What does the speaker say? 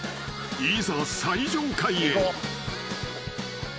［いざ最上階へ］